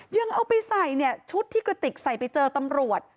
ยังเอาไปใส่เนี่ยชุดที่กระติกใส่ไปเจอตำรวจ